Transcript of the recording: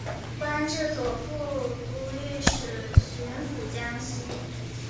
官至左副都御史巡抚江西。